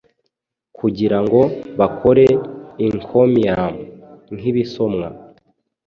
kugirango bakore encomium nkibisomwa